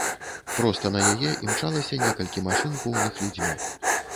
Проста на яе імчалася некалькі машын, поўных людзьмі.